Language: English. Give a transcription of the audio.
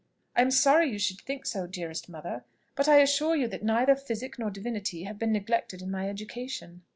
"I am sorry you should think so, dearest mother; but I assure you that neither physic nor divinity have been neglected in my education."